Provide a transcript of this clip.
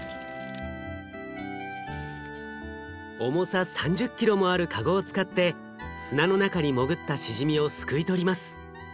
重さ３０キロもあるカゴを使って砂の中に潜ったしじみをすくい取ります。